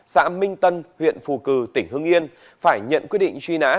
xã minh tân huyện phù cử tỉnh hưng yên phải nhận quyết định truy nã